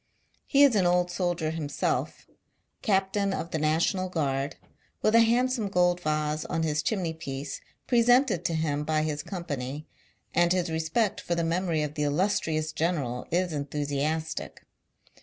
He is an old soldier himself — captain of the National Guard, with a hand some gold vase on his chimneypiece, presented to him by his company — and his respect for the memory of the illustrious general is enthu siastic.